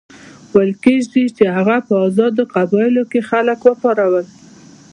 ویل کېږي چې هغه په آزادو قبایلو کې خلک وپارول.